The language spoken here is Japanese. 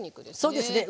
そうですね。